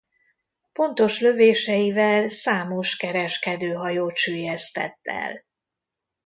Pontos lövéseivel számos kereskedőhajót süllyesztett el.